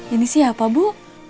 ini siapa bu